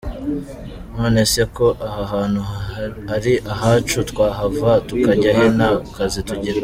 None se ko aha hantu ari ahacu twahava tukajya he nta kazi tugira ?".